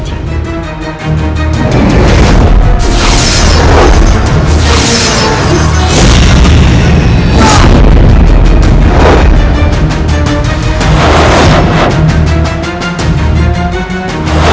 akhirnya aku pun agak